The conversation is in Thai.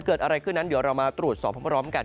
เกิดอะไรขึ้นนั้นเดี๋ยวเรามาตรวจสอบพร้อมกัน